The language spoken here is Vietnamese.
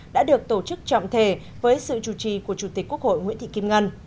đã được tổ chức trọng thể với sự chủ trì của chủ tịch quốc hội nguyễn thị kim ngân